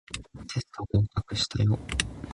テスト合格したよ